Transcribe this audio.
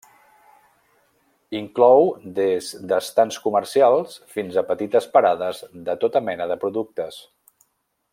Inclou des d'estands comercials fins a petites parades de tota mena de productes.